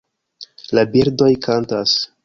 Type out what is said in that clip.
La birdoj kantas